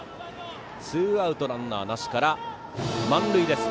ツーアウトランナーなしから満塁です。